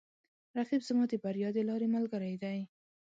رقیب زما د بریا د لارې ملګری دی